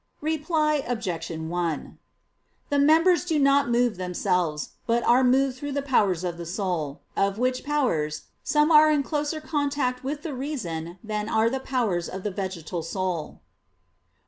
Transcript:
Reply Obj. 1: The members do not move themselves, but are moved through the powers of the soul; of which powers, some are in closer contact with the reason than are the powers of the vegetal soul.